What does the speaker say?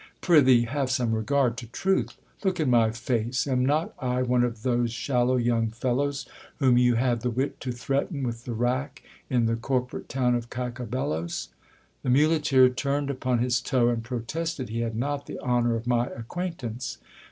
Prythee, have some regard to truth ! Look in my face ; am not I one of those shallow young fellows whom you had the wit to threaten with the rack in the corporate town of Cacabelos ? The muleteer turned upon his toe, and protested he had not the honour of my acquaintance.